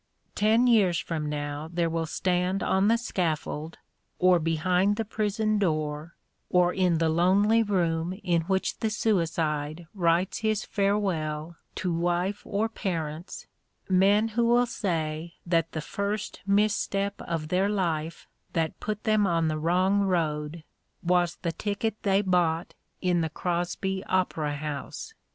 Ten years from now there will stand on the scaffold, or behind the prison door, or in the lonely room in which the suicide writes his farewell to wife or parents, men who will say that the first misstep of their life that put them on the wrong road was the ticket they bought in the Crosby Opera House.